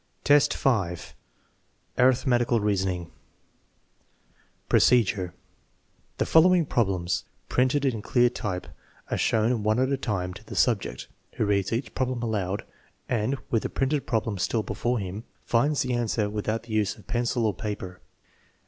XTV, 5. Arithmetical reasoning Procedure. The following problems, printed in clear type, are shown one at a time to the subject, who reads each problem aloud and (with the printed problem still before him) finds the answer without the use of pencil or paper.